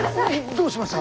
どうしました？